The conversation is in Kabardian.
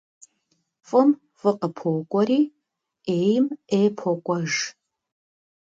ФӀым фӀы къыпокӀуэри, Ӏейм Ӏей покӀуэж.